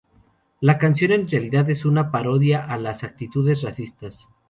La canción en realidad es una parodia a las actitudes racistas.